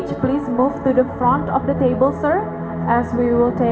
bapak ibu kita berdoa untuk memulai penyelamatannya